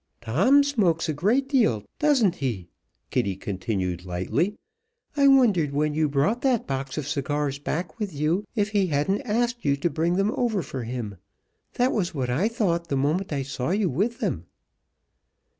"Tom smokes a great deal, doesn't he?" Kitty continued lightly. "I wondered when you brought that box of cigars back with you if he hadn't asked you to bring them over for him. That was what I thought the moment I saw you with them."